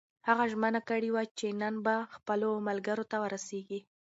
هغه ژمنه کړې وه چې نن به خپلو ملګرو ته ورسېږي.